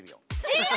えっ！